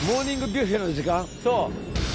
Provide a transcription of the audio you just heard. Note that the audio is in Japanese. そう！